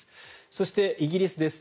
そしてイギリスです。